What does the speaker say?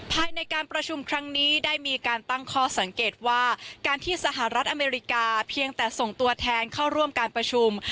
ภายในการประชุมครั้งนี้ได้มีการตั้งข้อสังเกตว่าการที่สหรัฐอเมริกาเพียงแต่ส่งตัวแทนเข้าร่วมการประชุม